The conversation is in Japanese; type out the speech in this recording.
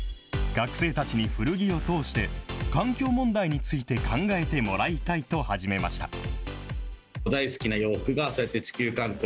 学生たちに古着を通して、環境問題について考えてもらいたいと始めました。